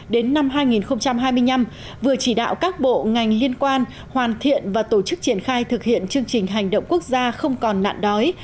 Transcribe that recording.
đến năm hai nghìn hai mươi năm vừa chỉ đạo các bộ ngành liên quan hoàn thiện và tổ chức triển khai thực hiện chương trình hành động quốc gia không còn nạn đói